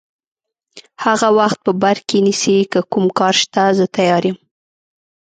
هغه وخت په بر کې نیسي، که کوم کار شته زه تیار یم.